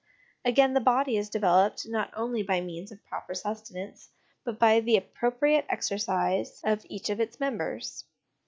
Again, the body is developed not only by means of proper sustenance, but by the appropriate exercise of 1/2 HOME EDUCATION each of its members.